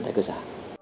tại cơ xã